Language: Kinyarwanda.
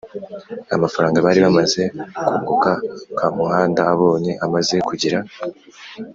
amafaranga bari bamaze kunguka, Kamuhanda abonye amaze kugira